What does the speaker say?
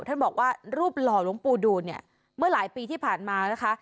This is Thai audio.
ท่านบอกว่ารูปหล่อหลวงปู่ดูนเนี่ยเมื่อหลายปีที่ผ่านมานะคะ